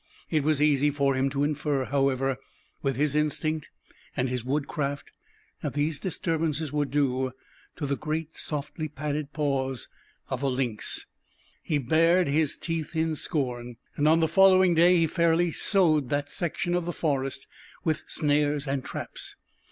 It was easy for him to infer, however, with his instinct and his woodcraft, that these disturbances were due to the great, softly padded paws of a lynx. He bared his teeth in scorn, and on the following day he fairly sowed that section of the forest with snares and traps.